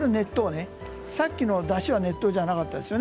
さっきのだしは熱湯ではなかったですね。